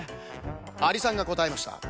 アリさんがこたえました。